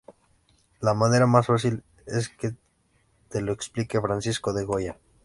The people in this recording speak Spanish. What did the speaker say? La manera más fácil es que te lo explique Francisco de Goya".